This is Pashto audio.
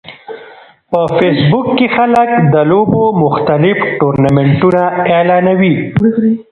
په فېسبوک کې خلک د لوبو مختلف ټورنمنټونه اعلانوي